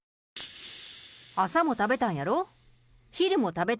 朝も食べたんやろ？